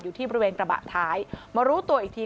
อยู่ที่บริเวณกระบะท้ายมารู้ตัวอีกที